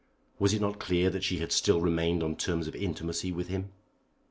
Was it not clear that she had still remained on terms of intimacy with him?